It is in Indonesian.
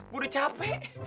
gue udah capek